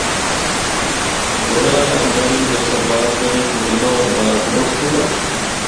دویا راہ مری، مظفرآباد، گڑھی حبیب اللہ ہور بالاکوٹ تو اے۔